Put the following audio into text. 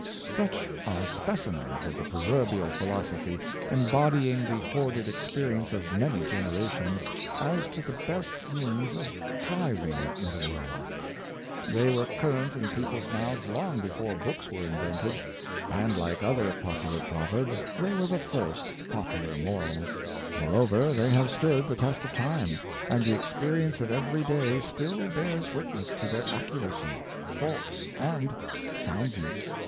Such are specimens of the proverbial philosophy, embodying the hoarded experience of many generations, as to the best means of thriving in the world. They were current in peo Industry Honorable, 391 pie's mouths long before books were invented; and, like other popular proverbs, they were the first popular morals. Moreover, the}^ have stood the test of time, and the experience of every day still bears witness to their accuracy, force, and soundness.